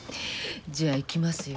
じゃあいきますよ。